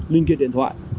linh kiện điện thoại